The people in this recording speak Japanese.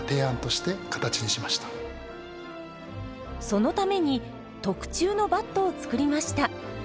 そのために特注のバットを作りました。